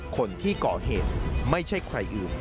คนที่ก่อเหตุไม่ใช่ใครอื่น